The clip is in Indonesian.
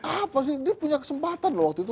apa sih dia punya kesempatan loh waktu itu